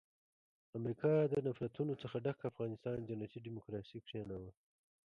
امریکا د نفرتونو څخه ډک افغانستان جنتي ډیموکراسي کښېناوه.